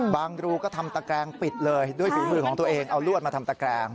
รูก็ทำตะแกรงปิดเลยด้วยฝีมือของตัวเองเอาลวดมาทำตะแกรง